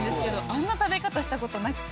あんな食べ方したことなくて。